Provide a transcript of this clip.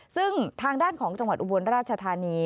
ซึ่งทางด้านของจังหวัดอุบลราชธานี